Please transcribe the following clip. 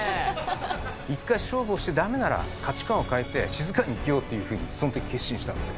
１回勝負をしてダメなら価値観を変えて静かに生きようっていう風にその時決心したんですよ。